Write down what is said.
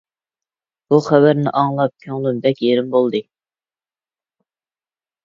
بۇ خەۋەرنى ئاڭلاپ كۆڭلۈم بەك يېرىم بولدى.